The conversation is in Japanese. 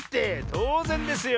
とうぜんですよ。